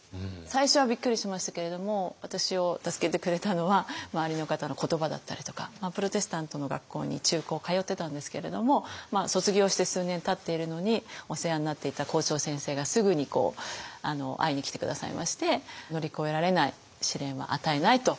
最初はびっくりしましたけれども私を助けてくれたのは周りの方の言葉だったりとかプロテスタントの学校に中高通ってたんですけれども卒業して数年たっているのにお世話になっていた校長先生がすぐに会いに来て下さいまして「乗り越えられない試練は与えない」と。